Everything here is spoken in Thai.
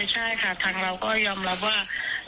ใช่ค่ะทางเราก็ยอมรับว่า